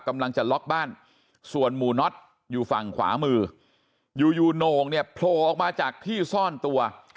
กำลังจะล็อกบ้านส่วนหมู่น็อตอยู่ฝั่งขวามืออยู่อยู่โหน่งเนี่ยโผล่ออกมาจากที่ซ่อนตัว